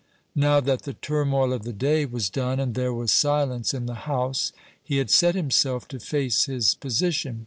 Now that the turmoil of the day was done, and there was silence in the house, he had set himself to face his position.